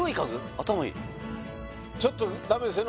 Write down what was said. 頭いいちょっとダメですよ